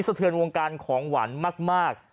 เทือนวงการของหวานมาก